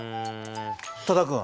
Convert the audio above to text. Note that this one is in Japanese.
多田君。